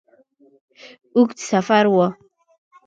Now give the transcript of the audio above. اوږد سفر وو.